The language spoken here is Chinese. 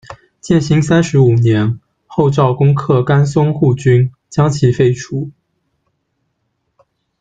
建兴三十五年，后赵攻克甘松护军，将其废除。